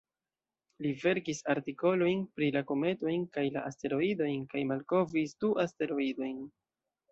Li verkis artikolojn pri la kometojn kaj la asteroidojn kaj malkovris du asteroidojn.